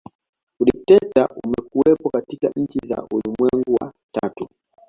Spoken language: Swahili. Udikteta umekuwepo katika nchi za ulimwengu wa tatu